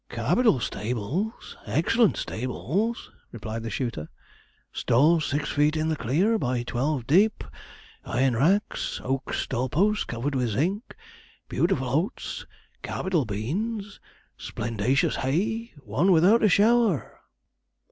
'Capital stables excellent stables!' replied the shooter; 'stalls six feet in the clear, by twelve dip (deep), iron racks, oak stall posts covered with zinc, beautiful oats, capital beans, splendacious hay won without a shower!'